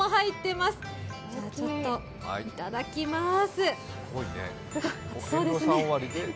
いただきます。